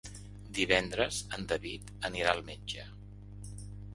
Divendres en David anirà al metge.